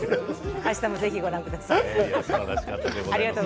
あしたも、ぜひご覧ください。